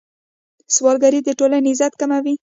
سوالګري د ټولنې عزت کموي.